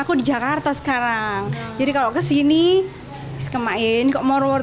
aku di jakarta sekarang jadi kalau ke sini ke mak yaya ini ke morowar